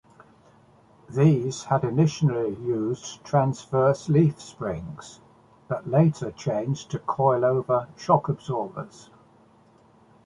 These had initially used transverse leaf springs, but later changed to coilover shock absorbers.